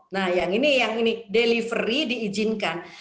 nah yang ini yang ini delivery diizinkan